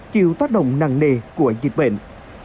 chịu tác động nặng nề của dịch bệnh